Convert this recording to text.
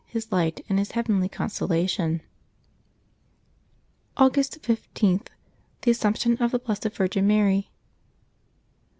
His light, and His heavenly consolation. August 15.— THE ASSUMPTION OF THE BLESSED VIRGIN MARY.